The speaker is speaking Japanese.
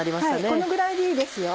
このぐらいでいいですよ